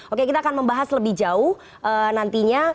oke kita akan membahas lebih jauh nantinya